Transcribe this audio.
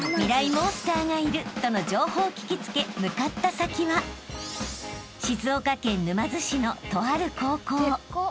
モンスターがいるとの情報を聞き付け向かった先は静岡県沼津市のとある高校］